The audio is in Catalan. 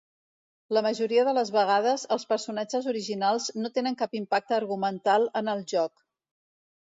La majoria de les vegades, els personatges originals no tenen cap impacte argumental en el joc.